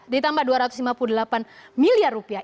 ditambah dua ratus lima puluh delapan miliar rupiah